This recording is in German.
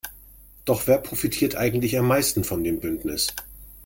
Doch wer profitiert eigentlich am meisten von dem Bündnis?